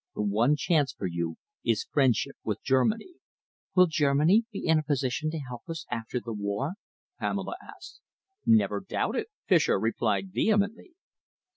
The one chance for you is friendship with Germany." "Will Germany be in a position to help us after the war?" Pamela asked. "Never doubt it," Fischer replied vehemently.